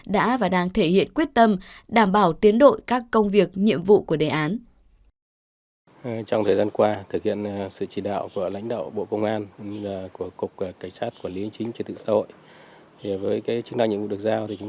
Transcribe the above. đã và đang thể hiện quyết tâm đảm bảo tiến độ các công việc nhiệm vụ của đề án